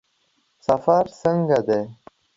سفر څنګه دی؟